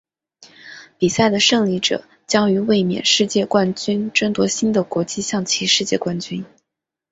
比赛的胜利者将与卫冕世界冠军争夺新的国际象棋世界冠军。